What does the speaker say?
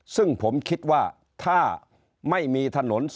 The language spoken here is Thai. ซึ่งผมคิดว่าถ้าไม่มีถนน